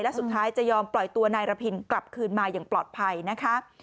และสุดท้ายจะยอมปล่อยตัวนายระพินกลับคืนมาอย่างปลอดภัยนะคะ